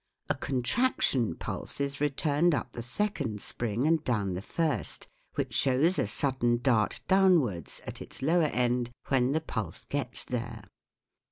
A contraction pulse is returned up the second spring and down the first, which shows a sudden dart downwards at its lower end when the pulse gets there.